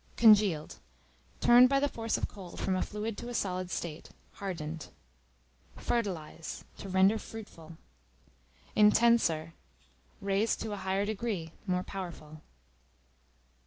Congealed, turned by the force of cold from a fluid to a solid state; hardened. Fertilize, to render fruitful. Intenser, raised to a higher degree, more powerful.